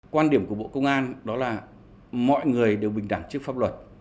quan điểm của bộ công an đó là mọi người đều bình đẳng trước pháp luật